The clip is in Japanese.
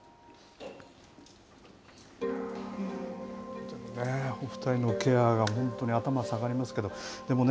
本当にね、お２人のケアが本当に頭下がりますけど、でもね、